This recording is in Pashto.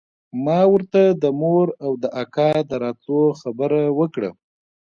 ما ورته د مور او د اکا د راتلو خبره وکړه.